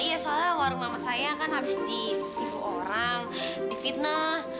iya soalnya warung mama saya kan habis ditipu orang difitnah